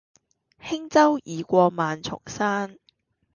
輕舟已過萬重山